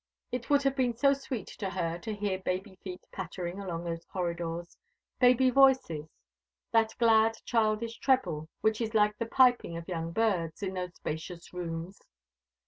It would have been so sweet to her to hear baby feet pattering along those corridors baby voices that glad childish treble, which is like the piping of young birds, in those spacious rooms.